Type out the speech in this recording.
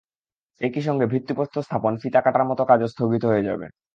একই সঙ্গে ভিত্তিপ্রস্তর স্থাপন, ফিতা কাটার মতো কাজও স্থগিত হয়ে যাবে।